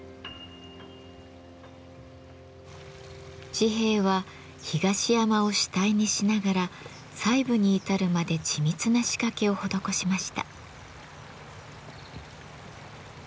治兵衞は東山を主体にしながら細部に至るまで緻密な仕掛けを施しました。